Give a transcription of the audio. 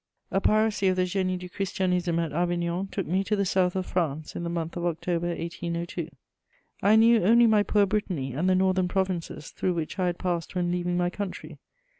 * A piracy of the Génie du Christianisme at Avignon took me to the south of France in the month of October 1802. I knew only my poor Brittany and the northern provinces through which I had passed when leaving my country.